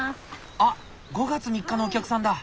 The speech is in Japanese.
あっ５月３日のお客さんだ！